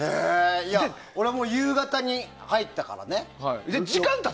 俺はもう、夕方に入ったからね。